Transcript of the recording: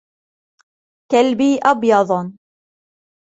كلبي أبيض.